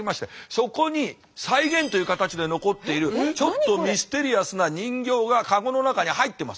そこに再現という形で残っているちょっとミステリアスな人形が籠の中に入ってます。